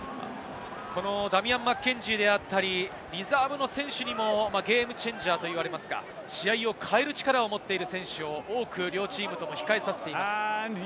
ダミアン・マッケンジーであったり、リザーブの選手にもゲームチェンジャーと言われますが、試合を変える力を持っている選手を両チームとも多く控えさせています。